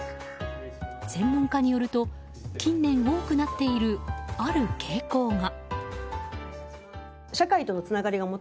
専門家によると近年多くなっている、ある傾向が。